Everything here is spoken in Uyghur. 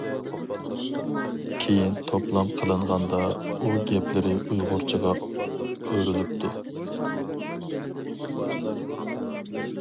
كېيىن توپلام قىلىنغاندا ئۇ گەپلىرى ئۇيغۇرچىغا ئۆرۈلۈپتۇ.